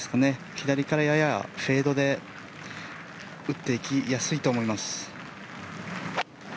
左からややフェードで打っていきやすいと思います。